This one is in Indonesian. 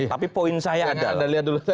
tapi poin saya adalah